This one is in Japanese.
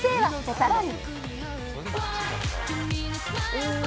さらに。